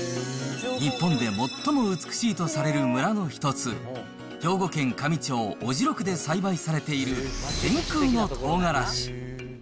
日本で最も美しいとされる村の一つ、兵庫県香美町小代区で栽培されている天空の唐辛子。